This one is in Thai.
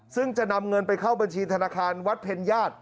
ซึ่งจะนำเงินไปเข้าบัญชีธนาคารวัดเพ็ญญาติ